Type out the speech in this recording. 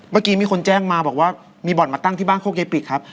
เมื่อกี้มีคนแจ้งมาบอกว่ามีบ่อนมาตั้งที่บ้านโคกยายปิกครับ